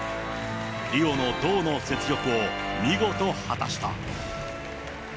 リオの銅の雪辱を、見事、果たした。